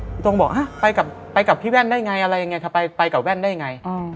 พี่โต้งบอกฮะไปกับไปกับพี่แว่นได้ไงอะไรอย่างเงี้ยไปกับแว่นได้ไง